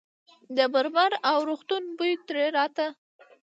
د مرمر او روغتون بوی ترې راته.